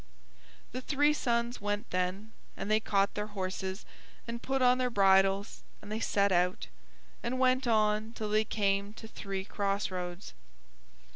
The three sons went then, and they caught their horses, and put on their bridles, and they set out, and went on till they came to three crossroads.